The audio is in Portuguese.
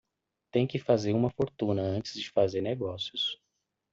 Tem que fazer uma fortuna antes de fazer negócios